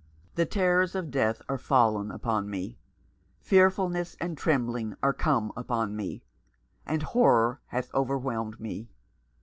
" The terrors of death are fallen upon me. Fear fulness and trembling are come upon me, and horror hath overwhelmed me.